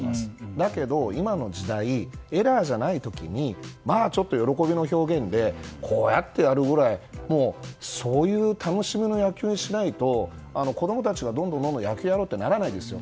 だけど、今の時代エラーじゃない時にちょっと喜びの表現でこうやってやるくらいそういう楽しみの野球をしないと子供たちがどんどん野球やろうってならないですよ。